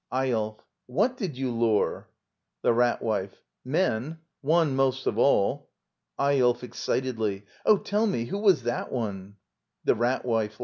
Eyolf. fFhat did you lure? The Rat Wife. Men. One most of all. Eyolf. [Excitedly.] Oh, tell me, who was that one? The Rat Wife.